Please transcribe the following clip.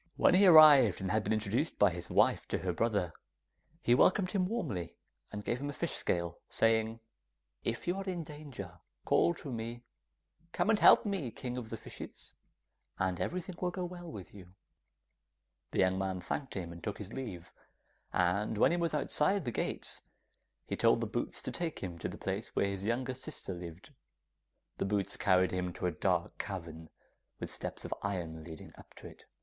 When he arrived and had been introduced by his wife to her brother, he welcomed him warmly, and gave him a fish scale, saying, 'If you are in danger, call to me, "Come and help me, King of the Fishes," and everything will go well with you.' The young man thanked him and took his leave, and when he was outside the gates he told the boots to take him to the place where his youngest sister lived. The boots carried him to a dark cavern, with steps of iron leading up to it.